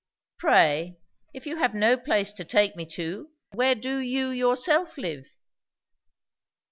Pray, if you have no place to take me to, where do you yourself live?"